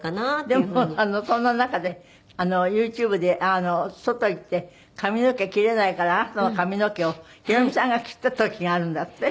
でもそんな中でＹｏｕＴｕｂｅで外へ行って髪の毛切れないからあなたの髪の毛をヒロミさんが切った時があるんだって？